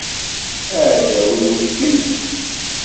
Aḍad-iw d kemm.